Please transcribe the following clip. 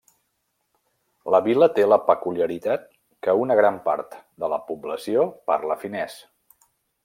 La vila té la peculiaritat que una gran part de la població parla finès.